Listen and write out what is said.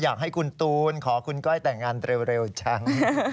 อยากให้คุณตูนขอคุณก้อยแต่งงานเร็วจัง